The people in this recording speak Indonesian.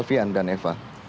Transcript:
fian dan eva